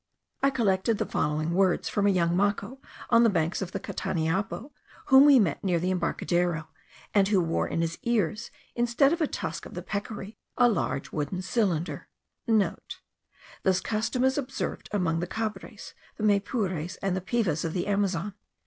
I collected the following words from a young Maco of the banks of the Cataniapo, whom we met near the embarcadero, and who wore in his ears, instead of a tusk of the peccary, a large wooden cylinder.* (* This custom is observed among the Cabres, the Maypures, and the Pevas of the Amazon.